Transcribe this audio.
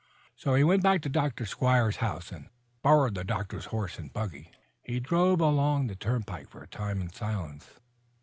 So he went back to Dr. Squiers's house and borrowed the Doctor's horse and buggy. He drove along the turnpike for a time in silence.